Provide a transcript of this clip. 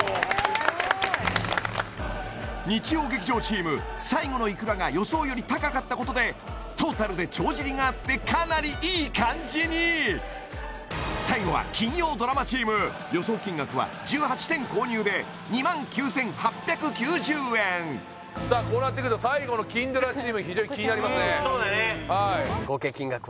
すごーい日曜劇場チーム最後のいくらが予想より高かったことでトータルで帳尻が合ってかなりいい感じに最後は金曜ドラマチームこうなってくると最後の金ドラチーム非常に気になりますね